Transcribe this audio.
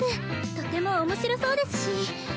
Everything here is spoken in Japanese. とても面白そうですし。